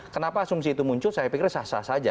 kenapa asumsi itu muncul saya pikir sah sah saja